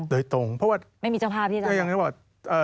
ด้วยตรงไม่มีเจ้าภาพที่จะโดยตรงเพราะว่า